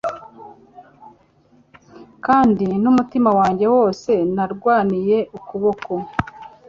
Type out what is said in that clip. Kandi n'umutima wanjye wose narwaniye ukuboko